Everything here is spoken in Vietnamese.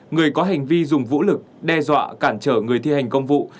một mươi hai người có hành vi dùng vũ lực đe dọa cản trở người thi hành công vụ